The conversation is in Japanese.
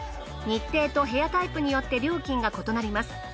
日程と部屋タイプによって料金が異なります。